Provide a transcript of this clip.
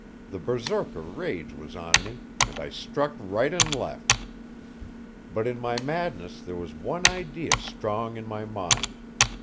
The berserker rage was on me, and I struck right and left. But in my madness there was one idea strong in my mind.